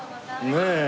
ねえ。